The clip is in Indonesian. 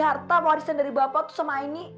si harta warisan dari bapak tuh sama aini